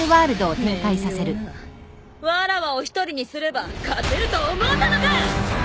わらわを一人にすれば勝てると思うたのか！？